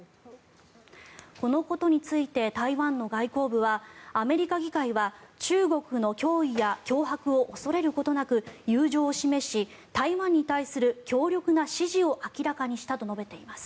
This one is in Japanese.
このことについて台湾の外交部はアメリカ議会は中国の脅威や脅迫を恐れることなく友情を示し、台湾に対する強力な支持を明らかにしたと述べています。